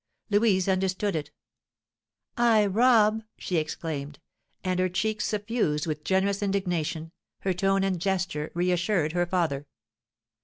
Louise understood it. "I rob!" she exclaimed; and her cheeks suffused with generous indignation, her tone and gesture, reassured her father.